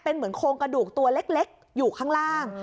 เป็นเหมือนโครงกระดูกตัวเล็กอยู่ข้างล่าง